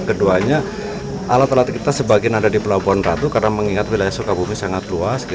keduanya alat alat kita sebagian ada di pelabuhan ratu karena mengingat wilayah sukabumi sangat luas